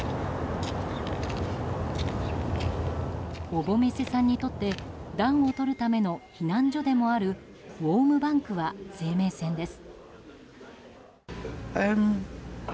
オボメセさんにとって暖をとるための避難所でもあるウォームバンクは生命線です。